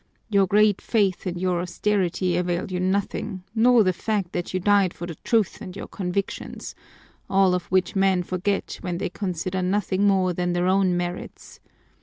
Your great faith and your austerity avail you nothing, nor the fact that you died for the truth and your convictions, all of which men forget when they consider nothing more than their own merits.